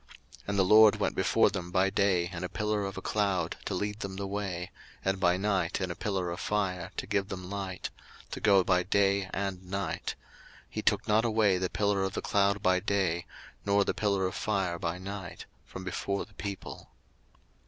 02:013:021 And the LORD went before them by day in a pillar of a cloud, to lead them the way; and by night in a pillar of fire, to give them light; to go by day and night: 02:013:022 He took not away the pillar of the cloud by day, nor the pillar of fire by night, from before the people.